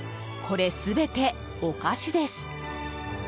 これ、全てお菓子です。